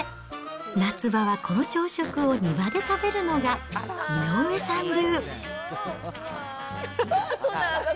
夏場はこの朝食を庭で食べるのが井上さん流。